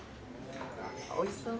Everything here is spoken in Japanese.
おいしそう。